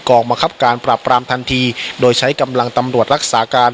มะครับการปราบปรามทันทีโดยใช้กำลังตำรวจรักษาการ